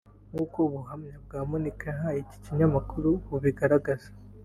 nk’uko ubuhamya bwa Monique yahaye iki kinyamakuru bubigaragaza